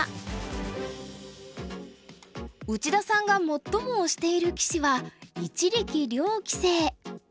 内田さんが最も推している棋士は一力遼棋聖。